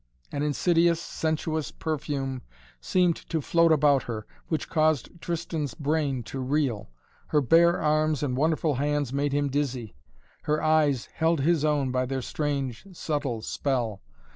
An insidious, sensuous perfume seemed to float about her, which caused Tristan's brain to reel. Her bare arms and wonderful hands made him dizzy. Her eyes held his own by their strange, subtle spell.